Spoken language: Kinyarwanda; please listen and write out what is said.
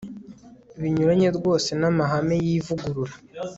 binyuranye rwose namahame yivugurura